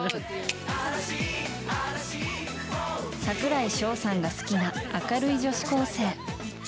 櫻井翔さんが好きな明るい女子高生。